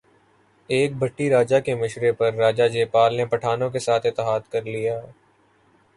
ایک بھٹی راجہ کے مشورے پر راجہ جے پال نے پٹھانوں کے ساتھ اتحاد کر لیا